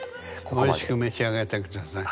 おいしく召し上がって下さい。